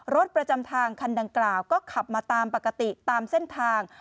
รถประจำทางคันดังกล่าวก็ขับมาตามปกติตามเส้นทาง